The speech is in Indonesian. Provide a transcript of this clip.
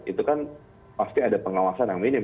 itu kan pasti ada pengawasan yang minim